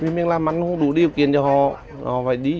vì mình làm ăn không đủ điều kiện cho họ